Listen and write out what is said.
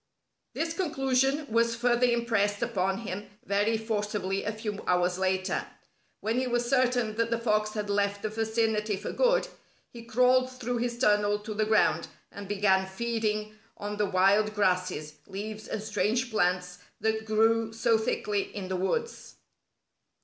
This conclusion was further impressed upon him very forcibly a few hours later. When he was certain that the fox had left the vicinity for good, he crawled through his tunnel to the ground, and began feeding on the wild grasses, leaves and strange plants that grew so thickly in the woods.